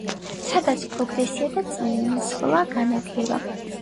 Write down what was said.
სადაც პროგრესია და წინსვლა, განათლება.